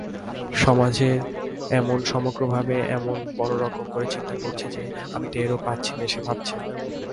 সমাজ এমন সমগ্রভাবে এমন বড়োরকম করে চিন্তা করছে যে আমি টেরও পাচ্ছিনে সে ভাবছে।